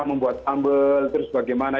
membuat sambal terus bagaimana